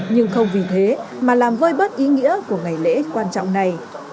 nhưng không vì thế mà làm vơi bớt ý nghĩa của ngày lễ quan trọng này